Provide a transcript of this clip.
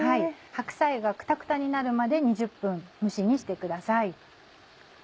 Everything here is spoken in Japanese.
白菜がクタクタになるまで２０分蒸し煮してください。